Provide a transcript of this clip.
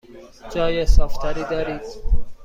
جای صاف تری دارید؟